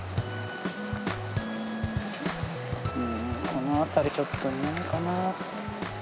この辺りちょっといないかな。